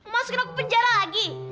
masukin aku penjara lagi